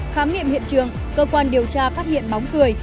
khám nghiệm hiện trường cơ quan điều tra phát hiện bóng cười